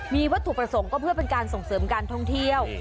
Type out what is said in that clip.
มีวัตถุประสงค์ก็เพื่อเป็นการส่งเสริมการท่องเที่ยว